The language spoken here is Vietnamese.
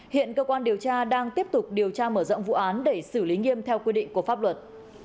hiện cơ quan điều tra đang tiếp tục điều tra mở rộng vụ án để xử lý nghiêm theo quy định của pháp luật